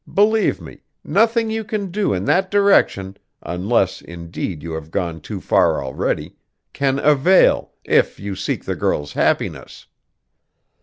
Believe me, nothing you can do in that direction unless indeed you have gone too far already can avail, if you seek the girl's happiness."